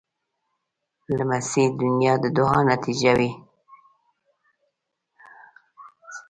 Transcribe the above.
لمسی د نیا د دعا نتیجه وي.